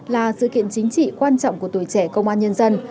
là sự kiện chính trị quan trọng của tuổi trẻ công an nhân dân